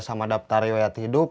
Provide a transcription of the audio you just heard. sama daftar riwayat hidup